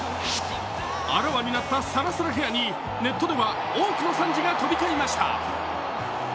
あらわになったさらさらヘアにネットでは多くの賛辞が飛び交いました。